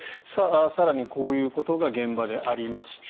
更にこういうことが現場でありました。